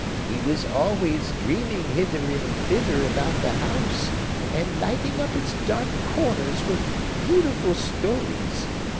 He was always dreaming hither and thither about the house, and lighting up its dark corners with beautiful stories.